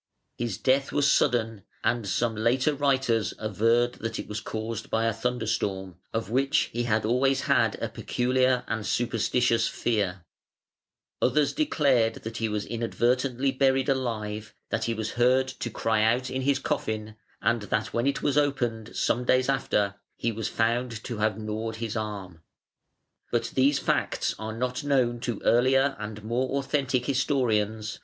His death was sudden, and some later writers averred that it was caused by a thunderstorm, of which he had always had a peculiar and superstitious fear. Others declared that he was inadvertently buried alive, that he was heard to cry out in his coffin, and that when it was opened some days after, he was found to have gnawed his arm.